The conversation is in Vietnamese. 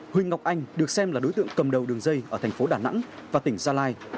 huỳnh ngọc anh được xem là đối tượng cầm đầu đường dây ở thành phố đà nẵng và tỉnh gia lai